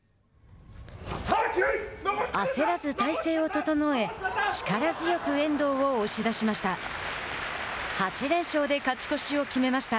焦らず体勢を整え力強く遠藤を押し出しました。